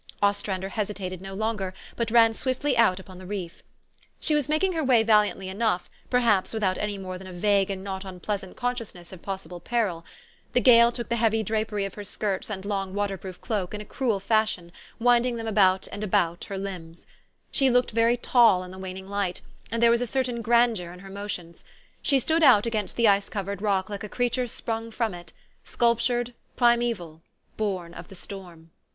Ostrander hesitated no longer, but ran swiftly out upon the reef. She was making her way valiantly enough, per haps without any more than a vague and not un pleasant consciousness of possible peril. The gale took the heavy drapery of her skirts and long water THE STORY OF AVIS. 79 proof cloak in a cruel fashion, winding them about and about her limbs. She looked very tall in the waning light, and there was a certain grandeur in her motions. She stood out against the ice covered rock like a creature sprung from it, sculptured, primeval, born of the storm.